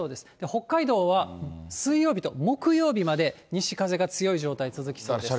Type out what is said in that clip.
北海道は水曜日と木曜日まで西風が強い状態続きそうです。